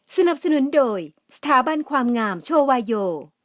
สนับสนุนโดยสถาบันความงามโชวาโย